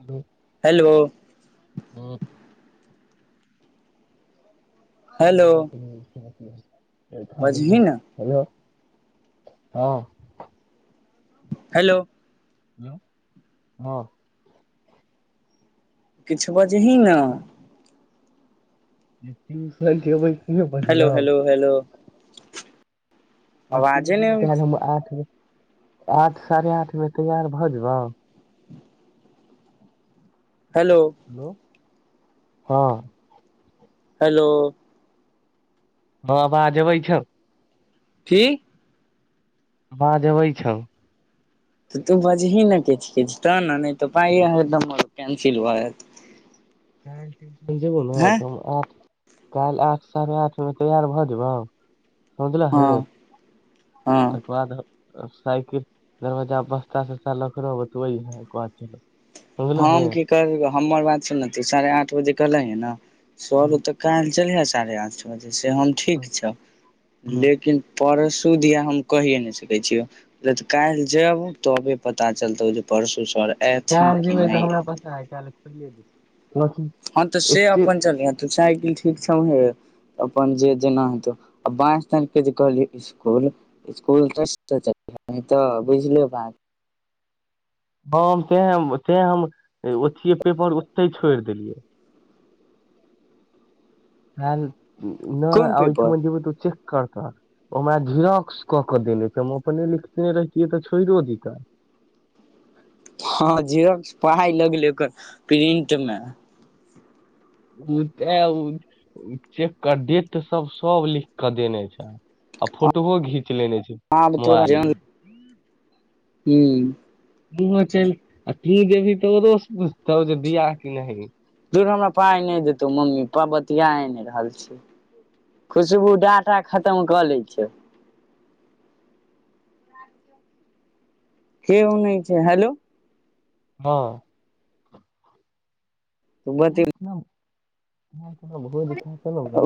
hello hello हँ hello बजही ने हेलो हँ हेलौ [inaudible] हँ किछ बजही न जेबै से हेलौ बजियौ हेलौ हेलौ [inaudible] आठ आठ साढ़े आठमे तैयार भऽ जबौ हेलौ हां हेलौ हां आबाज आबै छौ की अबाँज अबै छौ तऽ तू बाजही न किछ किछ तऽ न नैय तऽ पइ केंसिल भऽ ज क [inaudible] शन जेब [inaudible] ने हैं तऽ आठ काल्हि आठ साढ़े आठ में तैयार भऽ जेबह हँ समझलैहि हँ अकर [inaudible] बाद साइकिल दरवजा बस्ता तस्ता ल कऽ रहबौ तु अहिए ओकेबाद चलब समझलही हम की करब हमर बात सुन साढ़े आठ बजे कहले है न सर हँ [inaudible] तक क चलिहे साढ़े आठ बजेसँ हम ठीक छौ हँ लेकिन परसू दिया हम कहिए न सके छीयो ल काइल जैब तबे पता चलतो जे परसू आओर एथिन कि भै तऽ नहि हमरा एथिन पा सय क खोलि हँ तऽ से अपन चलै तू साइकिल ठीक छौहे अपन जे जेना हेतौ आ बाँस ताँके जे कहली इसकुल इसकुल तऽ तऽ बुझले बात हम तें तें हम ओथियए पेपर ओतहि छोड़ि देलियै ह न कोन पेपर आइठम जेबय त ऊ चेक कर कर ओहिमाहे झिरॉक्स कऽ के देले हम अपन एलि लिखिने रहितियै तऽ छोइड़ो दितै हँ जिरक्स पढ़ाइ लगलै प्रिंट मे तैं उ तै चेककर डेट सब सब लिख कऽ देने छैय आ फोटोओ घीच लेने छै मोबाइलमे हू हो च आ तू देबी तऽ ओ रो बुझतौ जे दआ किी नहि हमा पाइ नैय देतौ मम्मी पा बतिआए नहि रहल छै खुशबू डाटा खतम कऽ लै छैय केयो नैय छै हैेलो हँ [inaudible] बते ओहोाहु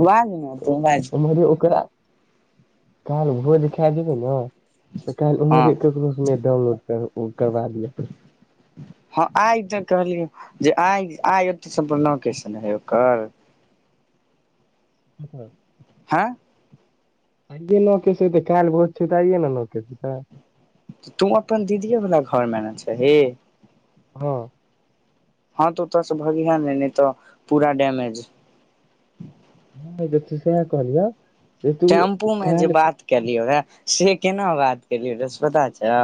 बाज ने तू बाज ने ओकरा काइल भोज खा जेबै न तऽ काल्हि हँ उमरे ककरोसंगे डाउनलोड करबा दिअ हँ आइ तऽ कहलियौ जे आइ आइ ओते सम्पर्ल नोकेश छ्ले ओकर [unintelligible] आं आइए नहकेस हेतै काल्हि भोज चियै तऽ आइये ने नहकेस हेतै तू अपन दीदिेयेवला घरमे न छिही हँ हँ तऽ ओतऽस भगिहे नै नहि तऽ पूरा डैमेज नहि जेथै सेहा कहलिय टेम्पू में जे बात केलियो रहे से केना बात केलियै रहे से पता छौ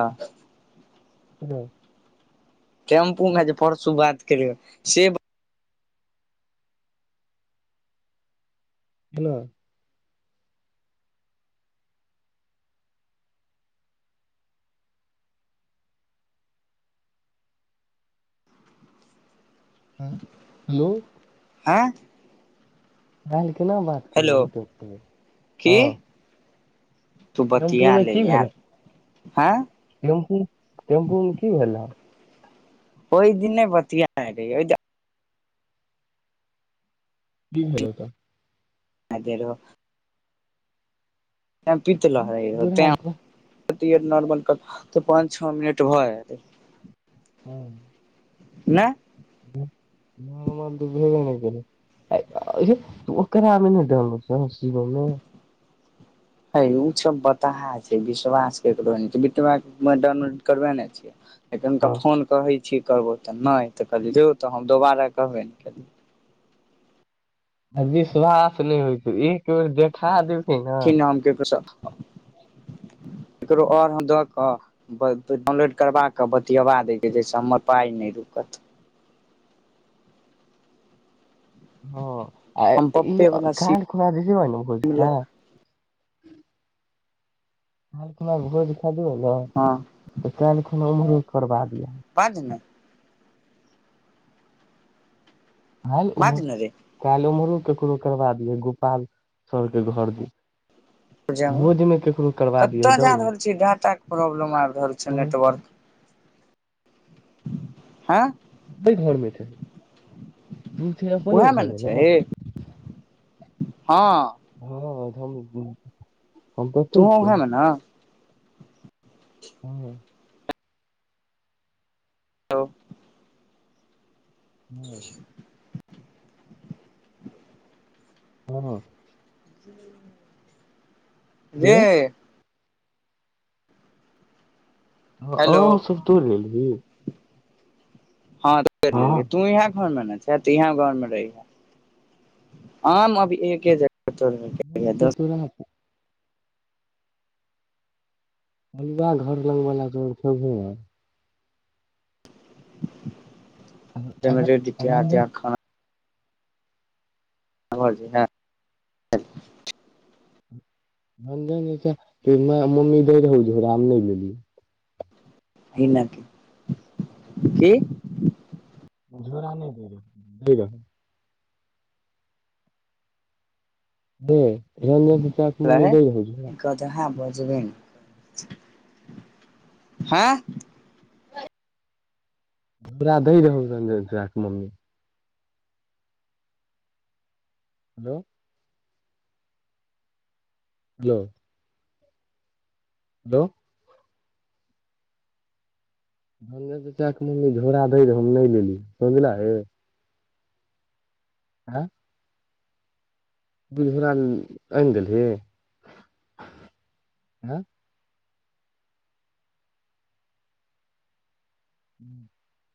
[unintelligible] टेम्पूमे जे परसू बात करियौ से हेलो हँ हेलो हँ काल्हि केना बात कने हेलो रहि की हँ तू बतियाले यार आंइ टेम्पु टेम्पुमे कि भेलौ ओहि दिन नहि बतियाय रहियो कि भेलौ तऽ आगे रो त पीत लहरै रहो तोरा तै हम कह- टियर नॉर्मल कर तऽ पाँच छओ मिनट भऽ जेतै हँ नहि [unintelligible] ओकरामे नहि हय ओ सब बताहा छै विश्वास केकरो नहि छै विश्वास छहि तअ डाउनलोड करबा नै लिय तखैनसं हँ फोन कहै छी करबौ तऽ नहि तऽ कहलियै जो तऽ हम दोबारा कहबे ने कलियै आ विश्वास नहि होइ छै एक बेर देखा देब की नामके कस केकरो आऔर दअ कअ डाउनलोड करबा के बतियवा दैके छहि जाहिसं हमर पाय नै रुकत [unintelligible] हँ आ हम ई पप्पे वला काइल सीम खुना जे जेबैन भोज लऽ खाइ [unintelligible] दिय ने हँ तऽ काल्हि खुना ओमहरे करबा दिया पाँच दिन कालि बाज ओमहरो ने रे कालि ओमहरो ककरो करबा दियह गोपाल सर के घर दिश भोजमे केकरो करबा दिहे कतय जा डाउनलोड रहल छियै डाटाके प्रॉब्लम आबि रहल छौ नेटवर्क आं कोय घरमे छह तू छी अपने उएह मे ने घरमे न छै हे हँ [unintelligible] कतै तूहो छियै वायहेमे न ह हेलो हँ हँ हँ जे हेलो ह हेलो आमसभ तोरि लेलही हँ त तोरि लेलियै तू एहाँ मे छै त यहाँ घर मे रही ह आम अभी एके आम जगह सब दस [unintelligible] तोरा अलवा घर लगवला तो [unintelligible] तै मे रेड त्यर त रंजन आखाँ [unintelligible] आ ज हँ [unintelligible] त मम्मी दै रहै झोड़ा आम नहि लेलियै [unintelligible] है ना की की [unintelligible] झोरा नहि दै रहै लै रहै दे रंजन चाचाक मम्मी दै रहै झोरा जेबै हम हँ बरा दै रहौ रंजनचचाके mummy [unintelligible] hello hello hello Ranjan चचा कऽ मम्मी झोड़ा दै रहै हम नहि लेलीयै समझलहि [unintelligible] आँ [unintelligible] दु गो झोरा आनि देलही आँ ह्म्म [unintelligible]